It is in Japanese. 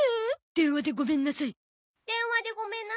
電話でごめんなさい。